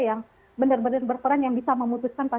yang benar benar berperan yang bisa memutuskan